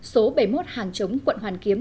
số bảy mươi một hàng chống quận hoàn kiếm